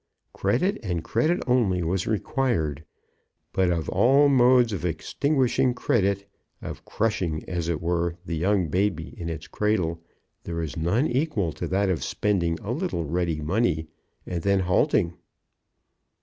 Credit and credit only was required. But of all modes of extinguishing credit, of crushing, as it were, the young baby in its cradle, there is none equal to that of spending a little ready money, and then halting.